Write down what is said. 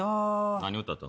何歌ったの？